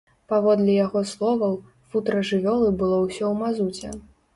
Паводле яго словаў, футра жывёлы было ўсё ў мазуце.